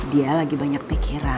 dia lagi banyak pikiran